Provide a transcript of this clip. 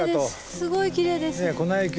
すごいきれいです。